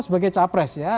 sebagai capres ya